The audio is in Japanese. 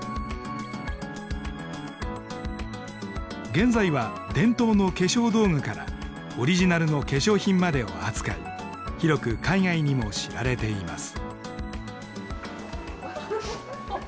現在は伝統の化粧道具からオリジナルの化粧品までを扱い広く海外にも知られています。